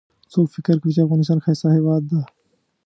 څوک فکر کوي چې افغانستان ښایسته هیواد ده